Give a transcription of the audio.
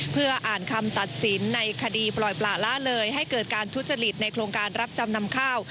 เพื่ออ่านคำตัดสินในคดีปล่อยปละละเลยให้เกิดการทุจริตในโครงการรับจำนำข้าว